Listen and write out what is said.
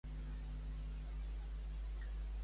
Despentes reclama una revolució que ho capgiri tot.